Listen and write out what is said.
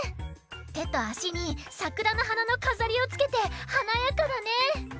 てとあしにさくらのはなのかざりをつけてはなやかだね！